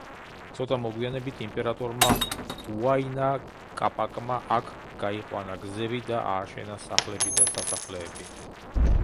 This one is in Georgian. ცოტა მოგვიანებით, იმპერატორმა უაინა კაპაკმა აქ გაიყვანა გზები და ააშენა სახლები და სასახლეები.